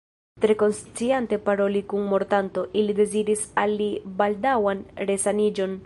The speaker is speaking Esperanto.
Tre konsciante paroli kun mortanto, ili deziris al li baldaŭan resaniĝon.